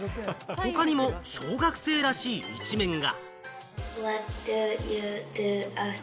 他にも小学生らしい一面が。